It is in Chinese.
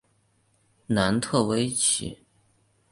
楠特威奇。